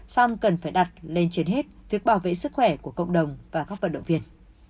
song cần phải đặt lên trên hết việc bảo vệ sức khỏe của cộng đồng và các vận động viên